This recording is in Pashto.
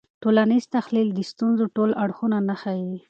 ټولنیز تحلیل د ستونزو ټول اړخونه نه ښيي.